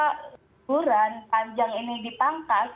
kelurahan panjang ini dipangkas